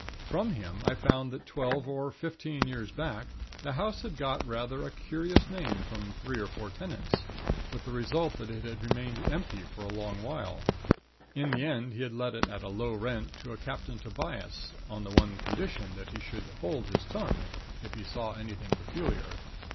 From him, I found that twelve or fifteen years back, the house had got rather a curious name from three or four tenants; with the result that it had remained empty a long while; in the end he had let it at a low rent to a Captain Tobias, on the one condition that he should hold his tongue, if he saw anything peculiar.